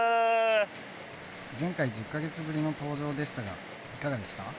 前回１０カ月ぶりの登場でしたがいかがでした？